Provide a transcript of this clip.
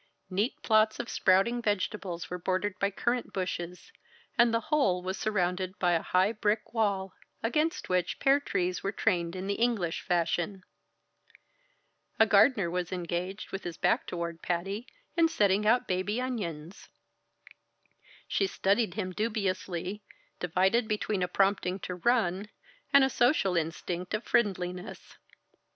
Neat plots of sprouting vegetables were bordered by currant bushes, and the whole was surrounded by a high brick wall, against which pear trees were trained in the English fashion. A gardener was engaged, with his back toward Patty, in setting out baby onions. She studied him dubiously, divided between a prompting to run, and a social instinct of friendliness.